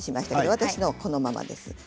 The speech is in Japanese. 私のは、このままです。